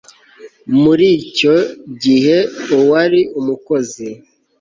muri icyo gihe uwari umukozi